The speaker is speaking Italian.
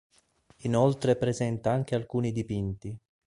Inoltre presenta anche alcuni dipinti.